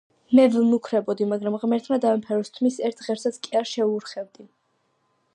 Მე ვემუქრებოდი, მაგრამ ღმერთმა დამიფაროს, თმის ერთ ღერსაც კი არ შევურხევდი.